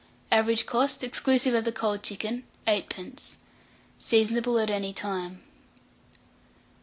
Average cost, exclusive of the cold chicken, 8d. Seasonable at any time.